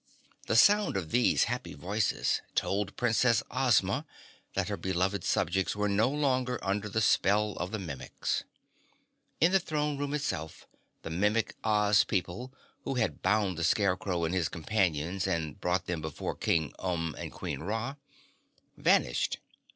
The sound of these happy voices told Princess Ozma that her beloved subjects were no longer under the spell of the Mimics. In the throne room itself, the Mimic Oz people, who had bound the Scarecrow and his companions and brought them before King Umb and Queen Ra, vanished.